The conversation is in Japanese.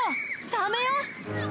サメよ！